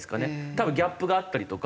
多分ギャップがあったりとか。